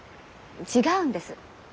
違うんです。